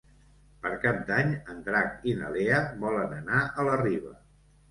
Per Cap d'Any en Drac i na Lea volen anar a la Riba.